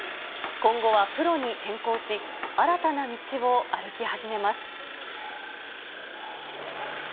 今後はプロに転向し、新たな道を歩き始めます。